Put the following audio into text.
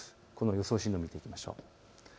予想進路を見ていきましょう。